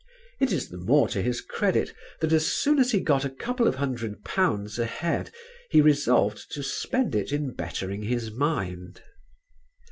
It is the more to his credit that as soon as he got a couple of hundred pounds ahead, he resolved to spend it in bettering his mind.